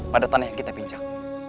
pada tanah yang kita pinjak